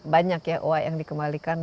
banyak ya oa yang dikembalikan